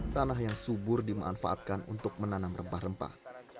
tanah yang subur dimanfaatkan untuk menanam rempah rempah